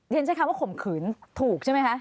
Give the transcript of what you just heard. ฉันใช้คำว่าข่มขืนถูกใช่ไหมคะ